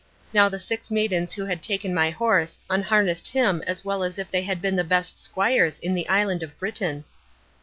Now the six maidens who had taken my horse unharnessed him as well as if they had been the best squires in the island of Britain.